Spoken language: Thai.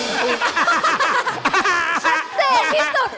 ชัดเจนที่สุด